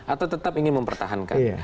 atau tetap ingin mempertahankan